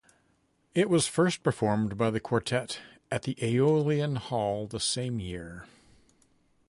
It was first performed by the Quartet at the Aeolian Hall the same year.